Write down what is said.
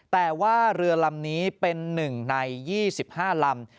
แต่ว่าเรือลำนี้เป็น๑ใน๒๕ลำ